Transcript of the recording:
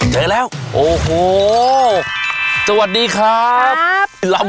เจอแล้วโอ้โหสวัสดีครับ